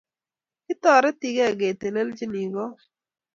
Kitaretigei ketelelchinii kot